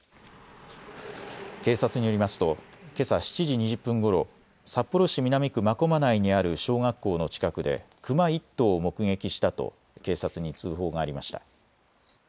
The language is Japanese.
警察によりますとけさ７時２０分ごろ、札幌市南区真駒内にある小学校の近くでクマ１頭を目撃したと警察に通報がありました。